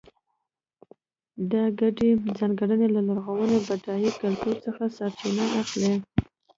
دا ګډې ځانګړنې له لرغوني بډای کلتور څخه سرچینه اخلي.